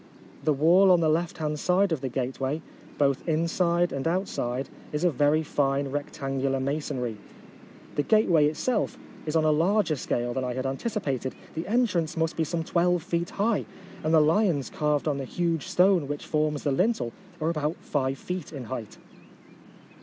The wall on the left hand side of the gateway, both in side and outside, is of very fine rectangular masonry. The gateway itself is on a larger scale than I had anticipated. The entrance must be some twelve feet high, and the lions carved on the huge stone which forms the lintel are about five feet in height.